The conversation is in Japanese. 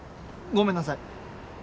ごめんなさい。